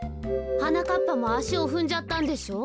はなかっぱもあしをふんじゃったんでしょう？